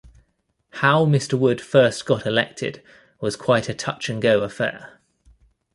How Mr. Wood first got elected was quite a touch-and-go affair.